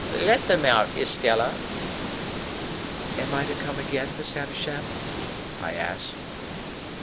"Let them out, Estella." "Am I to come again, Miss Havisham?" I asked.